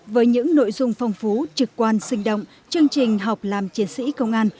với những nội dung phong phú trực quan sinh động chương trình học làm chiến sĩ công an